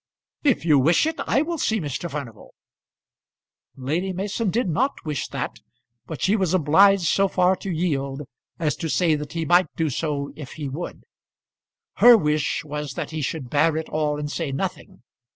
"If you wish it, I will see Mr. Furnival." Lady Mason did not wish that, but she was obliged so far to yield as to say that he might do so if he would. Her wish was that he should bear it all and say nothing.